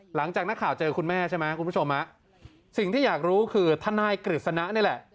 หลังจากนักข่าวเจอคุณแม่ใช่ไหมคุณผู้ชมฮะสิ่งที่อยากรู้คือทนายกฤษณะนี่แหละ